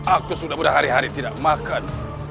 aku sudah berhari hari tidak makan